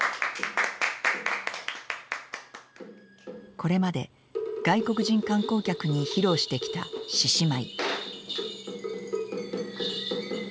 これまで外国人観光客に披露してきた獅子舞。